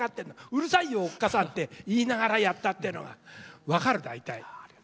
うるさいよおっ母さんって言いながらやったってえのが分かる大体。